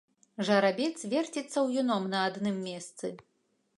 Жарабец верціцца ўюном на адным месцы.